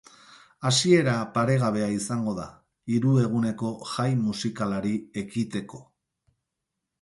Hasiera paregabea izango da, hiru eguneko jai musikalari ekiteko.